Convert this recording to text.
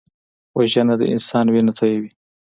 وژنه د انسان وینه تویوي